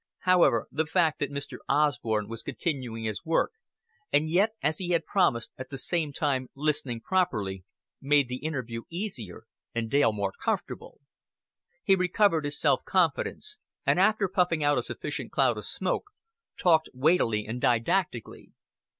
However, the fact that Mr. Osborn was continuing his work, and yet, as he had promised, at the same time listening properly, made the interview easier and Dale more comfortable. He recovered his self confidence, and after puffing out a sufficient cloud of smoke, talked weightily and didactically.